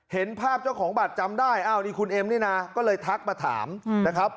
เห็นภาพเจ้าของบัตรจำได้อ้าวนี่คุณเอ็มนี่นะก็เลยทักมาถามนะครับ